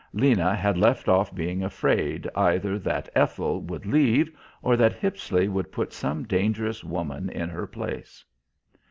Lena had left off being afraid either that Ethel would leave or that Hippisley would put some dangerous woman in her place.